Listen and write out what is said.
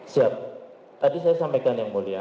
siap tadi saya sampaikan yang boleh ya